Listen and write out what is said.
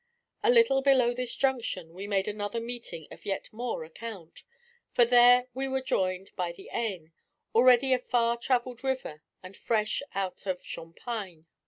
A little below this junction we made another meeting of yet more account. For there we were joined by the Aisne, already a far travelled river and fresh out of Champagne.